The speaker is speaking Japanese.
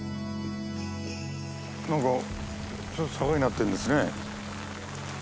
なんかちょっと坂になってるんですね。